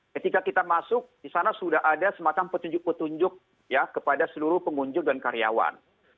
ketika kita masuk di sana sudah ada semacam petunjuk petunjuk kepada seluruh pengunjung dan karyawan